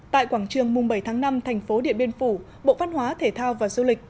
tại quảng trường mùng bảy tháng năm thành phố điện biên phủ bộ văn hóa thể thao và du lịch